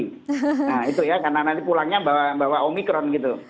nah itu ya karena nanti pulangnya bawa omikron gitu